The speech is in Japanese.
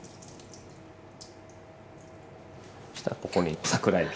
そしたらここに桜えび。